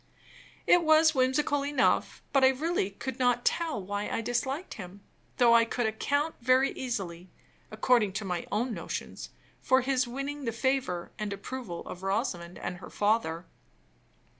It was whimsical enough; but I really could not tell why I disliked him, though I could account very easily, according to my own notions, for his winning the favor and approval of Rosamond and her father.